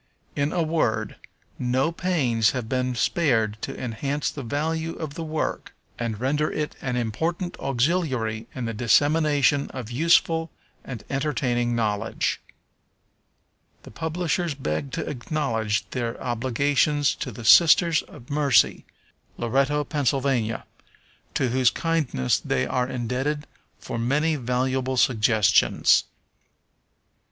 In a word, no pains have been spared to enhance the value of the work, and render it an important auxiliary in the dissemination of useful and entertaining knowledge. The publishers beg to acknowledge their obligations to the Sisters of Mercy, Loretto, Pa., to whose kindness they are indebted for many valuable suggestions.